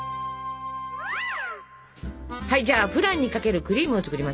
じゃあフランにかけるクリームを作りますよ。